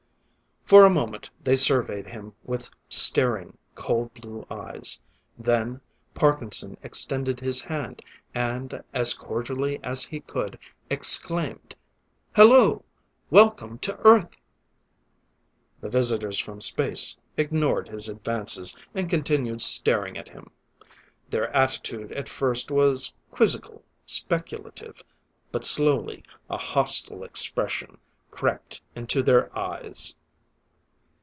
For a moment they surveyed him with staring, cold blue eyes. Then Parkinson extended his hand, and as cordially as he could, exclaimed: "Hello! Welcome to Earth!" The visitors from space ignored his advances and continued staring at him. Their attitude at first was quizzical, speculative, but slowly a hostile expression crept into their eyes.